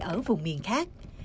ở vùng miền khác